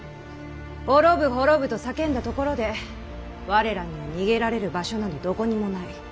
滅ぶ滅ぶと叫んだところで我らには逃げられる場所などどこにもない。